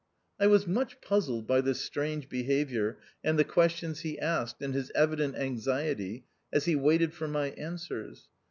I was much puzzled by this strange be haviour, and the questions he asked, and his evident anxiety, as he waited for my answers.